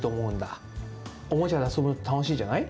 おもちゃであそぶのってたのしいじゃない？